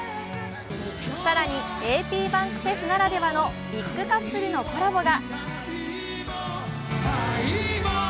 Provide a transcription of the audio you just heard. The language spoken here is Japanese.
更に、ａｐｂａｎｋｆｅｓならではのビッグカップルのコラボが。